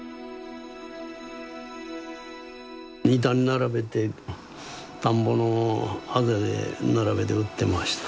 板に並べて田んぼのあぜで並べて売ってました。